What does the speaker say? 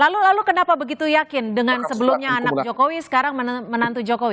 lalu lalu kenapa begitu yakin dengan sebelumnya anak jokowi sekarang menantu jokowi